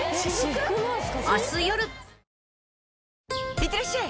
いってらっしゃい！